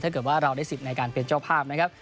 ถ้าเกิดว่าเราได้สิทธิ์ในการเป็นเจ้าภาพนะครับ